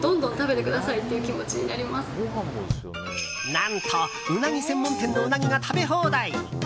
何と、ウナギ専門店のウナギが食べ放題。